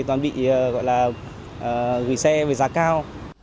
toàn bị gửi xe về giá cao